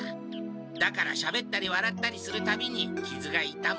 だからしゃべったりわらったりするたびにきずがいたむ。